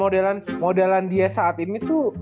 dan modelan dia saat ini tuh